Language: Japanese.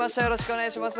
お願いします。